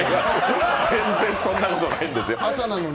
全然そんなことないんですよ。